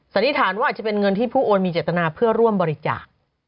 สันนิษฐานว่าอาจจะเป็นเงินที่ผู้โอนมีเจตนาเพื่อร่วมบริจาค